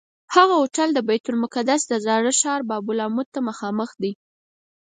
هغه هوټل د بیت المقدس د زاړه ښار باب العمود ته مخامخ دی.